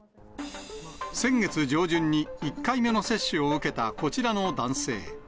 先月上旬に１回目の接種を受けたこちらの男性。